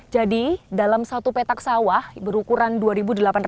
jadi dalam satu petak sawah berukuran dua delapan ratus hektare